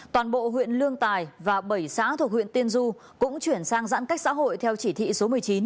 toàn bộ huyện lương tài và bảy xã thuộc huyện tiên du cũng chuyển sang giãn cách xã hội theo chỉ thị số một mươi chín